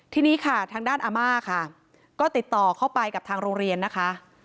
ทีนี้ค่ะทางด้านอาม่าค่ะก็ติดต่อเข้าไปกับทางโรงเรียนนะคะ